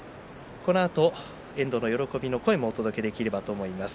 このあと遠藤の喜びの声をお届けできればと思います。